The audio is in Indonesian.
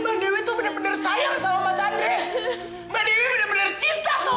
mbak dewi bener bener cinta sama mas andri